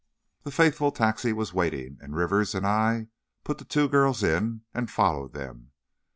The faithful taxi was waiting, and Rivers and I put the two girls in, and followed them.